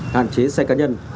hàn chế xe cá nhân